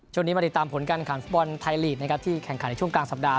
ช่วงนี้มาติดตามผลกันขันฟุตบอลไทยลีดที่แข่งขันในช่วงกลางสัปดาห์